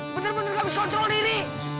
bener bener gak bisa kontrol diri